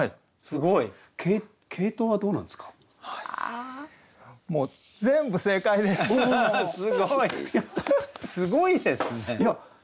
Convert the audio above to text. すごいですね。